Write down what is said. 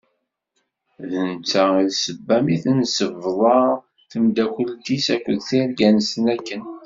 D netta d i d sebba mi temsebḍa d temdakelt-is akked tirga-nsent akken.